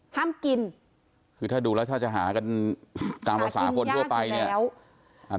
ห้ามกินคือถ้าดูแล้วถ้าจะหากันตามภาษาคนทั่วไปเนี่ยแล้วอ่า